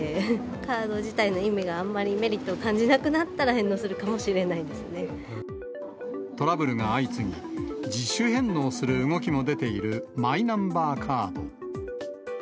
カード自体の意味があまり、メリットを感じなくなったら返納する動きも出ているマイナンバーカード。